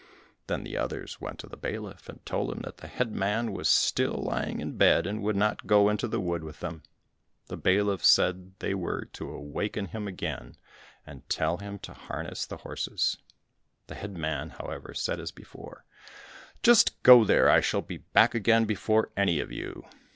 Then the others went to the bailiff, and told him that the head man was still lying in bed, and would not go into the wood with them. The bailiff said they were to awaken him again, and tell him to harness the horses. The head man, however, said as before, "Just go there, I shall be back again before any of you."